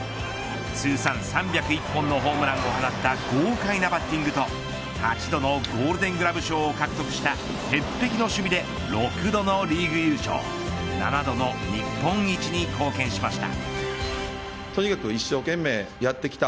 通算３０１本のホームランを放った豪快なバッティングと８度のゴールデングラブ賞を獲得した鉄壁の守備で６度のリーグ優勝７度の日本一に貢献しました。